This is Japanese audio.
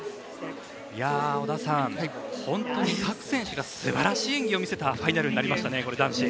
織田さん、本当に各選手が素晴らしい演技を見せたファイナルになりました。